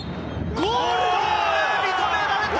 ゴールが認められた！